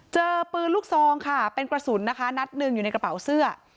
เจอปืนลูกซองค่ะเป็นกระสุนนะคะนัดหนึ่งอยู่ในกระเป๋าเสื้อ